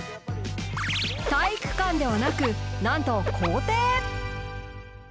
体育館ではなくなんと校庭！